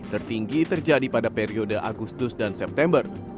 tertinggi terjadi pada periode agustus dan september